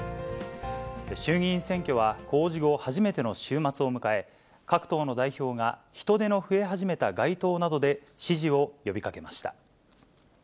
衆議院選挙は公示後初めての週末を迎え、各党の代表が、人出の増え始めた街頭などで支持を呼びかけました。